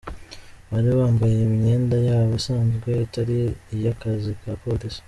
Bari bambaye imyenda yabo isanzwe itari iy’akazi ka polisi.